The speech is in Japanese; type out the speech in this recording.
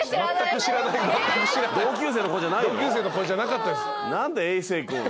同級生の子じゃなかったんです。